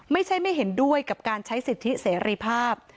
ไม่ใช่ไม่เห็นด้วยกับการใช้สิทธิเสรีภาพ